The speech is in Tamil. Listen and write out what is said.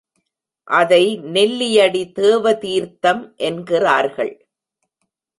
அதை நெல்லியடி தேவதீர்த்தம் என்கிறார்கள்.